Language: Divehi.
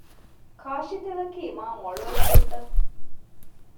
ކާށިތެލަކީ މާ މޮޅު އެއްޗެއްތަ؟